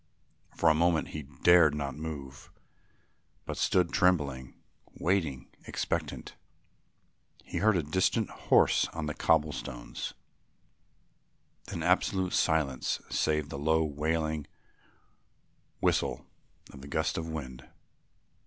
For a moment he dared not move, but stood trembling, waiting, expectant. He heard a distant horse on the cobble stones, then absolute silence save the low wailing whistle of a gust of wind.